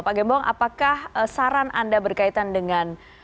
pak gembong apakah saran anda berkaitan dengan